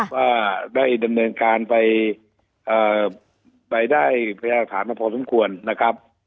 ว่าได้ดำเนินการไปได้พยาหลักฐานมาพอสมควรนะครับ